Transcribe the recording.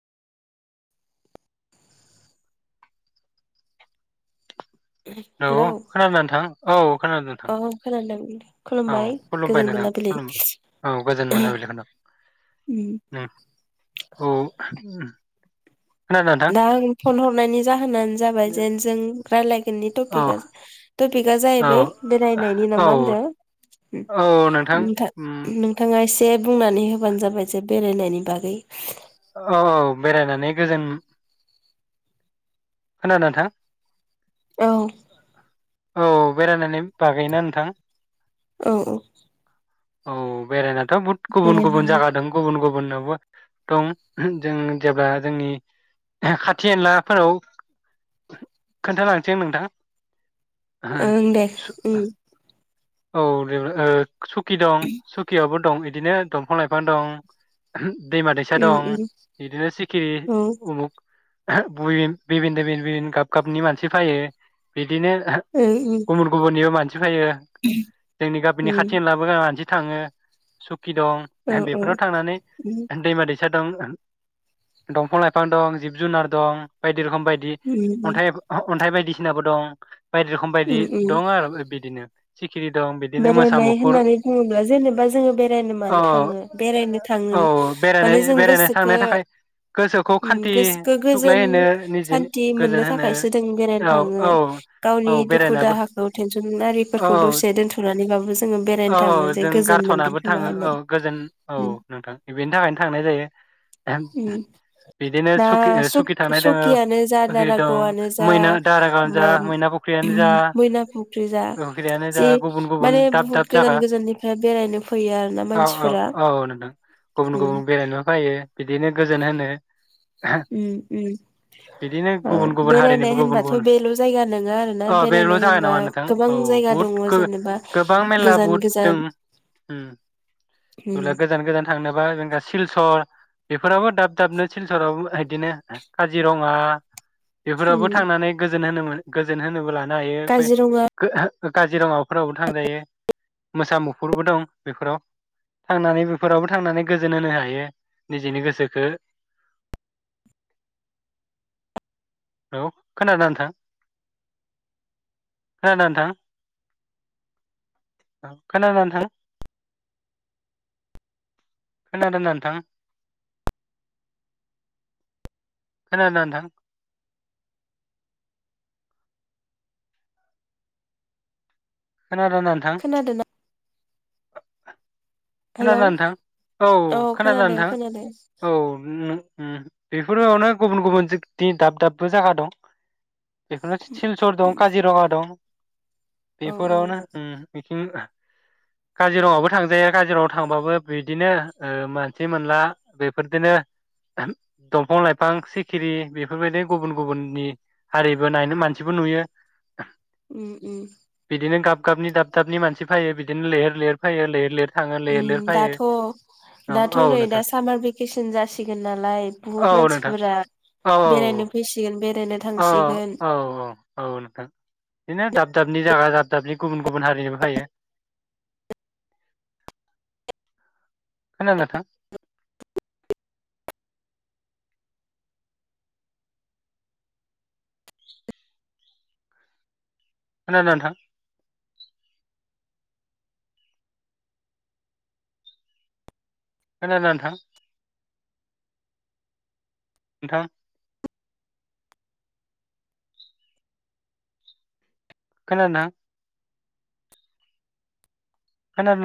औ हेलौ खोनादोंना नोंथां औ खोनादों नोंथां औ । खोनादों औ खुलुमबाय खुलुमबाय गोजोन नोंथां मोनाबिलि खुलुम औ गोजोन मोनाबिलि होनदों नों ओम औ खोनादों नोंथां दा आं फन हरनायनि जाहोनानो जाबाय जेन जों रायलाय गोननि औ टपिका टपिका औ जाहैबाय बेरायनायनि औ नामा होनदों औ नोंथां नोंथा उम नोंथाङा एस दे बुंनानै होबानो जाबाय जे बेरायनायनि बागै औ औ बेरायनानै गोजोन खोनादों नोंथां? औ। औ बेरायनानै बागैना नोंथां। औ औ। औ बेरायना थ बुद गुबुन गुबुन बेरायनायनि जाया दों गुबुन गुबुन बहुद दं जों जेब्ला जोंनि खाथि एनलाफोराव खोन्थालांसै आं नोंथां। ओं दे ओं। औ देबोर ओ सुखि दं सुखियावबो दं दिनो दंफां -लाइफां दं। दैमा -दैसा उम दं उम बिदिनो सिखिरि औ ओं उमुख बुयिन बिबिन दे बिनबि गाब गाबनि मानसि फायो बि दिनो उम गुबुन गुबुननिबो [unintelligible] [unintelligible] फैयो। जोंनि गामिनि उम थाङो [unintelligible] [unintelligible] औ दं। औ बेफोराव थांनानै उम दैमा [unintelligible] [unintelligible] दैसा दं, दंफां -लाइफां दं, जिब -जुनार दं [unintelligible] [unintelligible] रोखोम बायदि उम अन्थाइ अन्थाइ बायदिसिनाबो दं। बायदि रोखोम बायदि उम उम दं आरो बिदिनो। सिखिरि दं बिदिनो मोसा बेरायनाय मुफुर होननानै बुङोब्ला जेनेबा जोङो बेरायनो औ मानो थाङो? बेरायनो थाङो औ माने बेरायनाय जों बेरायनो गोसोखो थांनो थाखाय गोसोखौ उम खान्थि गोसोखो सुग्लाय गोजोन होनो निजेनि सान्थि मोननो गोजोन होनो थाखायसो जों बेरायनो औ थाङो। औ औ गावनि दुखु बेरायनाबो दाहाखौ टेनसन आरिफोर औ [unintelligible] दसे [unintelligible] औ थाङो औ जे जों गोजोन मोनगोन गारथ'नाबो खोमा थाङो औ होननानै गोजोन औ उम नोंथां बेनि थाखायनो थांनाय जायो। उम बिदिनो दा सुखि -सुखि थांनाय दङ सक-सकियानो जा सुखि दं दारागावआनो जा मैना दारागावनो जा मा मैना फुख्रियानो जा मैना फुख्रि जा फुख्रियानो जे जा गुबुन गुबुन गुबुन माने दाब बुहुत दाब जागा गोजान गोजाननिफ्राय बेरायनो फैयो आरोना औ औ मानसिफोरा औ नोंथां गुबुन उम गुबुन बेरायनो फैयो बिदिनो गोजोन होनो उम बिदिनो उम। ओ गुबुन गुबुन हारिनिबो बेरायनाय गुबुन होनबाथ' गुबुन बेल' जायगा नङा आरोना अ बेल' बेरायनाय जागोन होनबा नामा नोंथां गोबां औ जायगा बहुद दङ गो जेनेबा -गोबां मेलला गोजान बुहुथ गोजान दं। उम उम जेब्ला गोजान गोजान थांनोबा जेनबा सिलसर बेफोराबो दाब दाबनो सिलसरावबो बिदिनो काजिरङा उम बेफोरावबो थांनानै [unintelligible] जोन होनो गोजोन होनोब्ला काजिरङा [unintelligible] को- हो- काजिरङाव फोरावबो थांजायो। मोसा मुफुरबो दं बेफोराव। थांनानै बेफोरावबो थांनानै गोजोन होनो हायो, निजेनि गोसोखो। [inaudible] औ खोनादों नोंथां? खोनादों नोंथां? [inaudible] औ खोनादोंना नोंथां? [inaudible] खोनादोंना नोंथां? खोनादों ना नोंथां? [inaudible] खोनादों ना नोंथां? [inaudible] खोनादोंना खोनादों हेलौ ना नोंथां? [inaudible] औ खोनादोंना खोनादों नोंथां? खोनादों औ। उम। खोनादों बेफोरावनो गुबुन गुबुन जि दिन दाब दाबबो जागा दं। बेखौनो सिलसर दं काजिरङा दं [inaudible] औ बेफोरावनो उम बिथिं काजिरङायावबो थांजायो काजिरङाव थांबाबो बिदिनो ओ मानसि मोनला बेफोरदिनो दंफां लाइफां सिखिरि बेफोरबायदि गुबुन गुबुननि हारिबो मानसिबो नुयो। उम उम दाब गाबनि दाब दाबनि मानसि फायो बिदिनो लैहोर लैहोर फायो लैहोर लैहोर थाङो। लैहोर ओम लैहोर फैयो दाथ' औ दाथ' औ नै दा नोंथां सामार भेकेसन जासिगोन नालाय औ बुहुत नोंथां मानसिफोरा औ औ औ बेरायनो फैसिगोन बेरायनो औ थांसिगोन। औ औ नोंथां बिदिनो दाब दाबनि जायगा दाब दाबनि गुबुन गुबुन हारिनिबो फैयो। खोना नोथां? [inaudible] खोनादोना नोंथां? खोनादो ना नोंथां? नोंथां खोनदोना? खोनादोना